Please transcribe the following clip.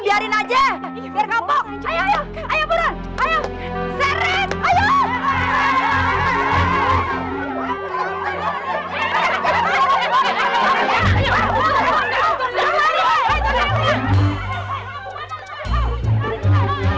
yang mahnya rawon itu nenek bukan gua